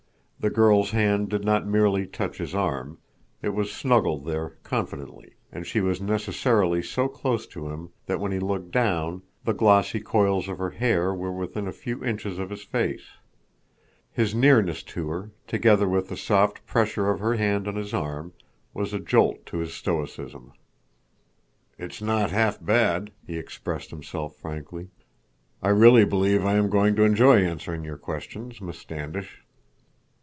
The girl's hand did not merely touch his arm; it was snuggled there confidently, and she was necessarily so close to him that when he looked down, the glossy coils of her hair were within a few inches of his face. His nearness to her, together with the soft pressure of her hand on his arm, was a jolt to his stoicism. "It's not half bad," he expressed himself frankly. "I really believe I am going to enjoy answering your questions, Miss Standish."